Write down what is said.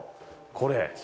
これ。